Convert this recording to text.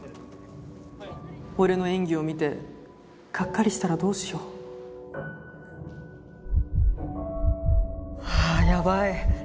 俺の演技を見てがっかりしたらどうしようあやばい。